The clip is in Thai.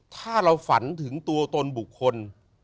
ถ้าเราฝันถึงตัวตนบุคคล